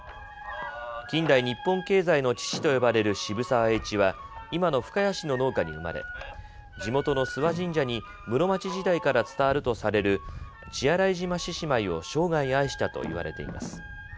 近代日本経済の父と呼ばれる渋沢栄一は今の深谷市の農家に生まれ、地元の諏訪神社に室町時代から伝わるとされる血洗島獅子舞を生涯愛したといわれています。